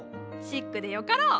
シックでよかろう。